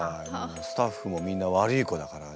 スタッフもみんなワルイコだからね。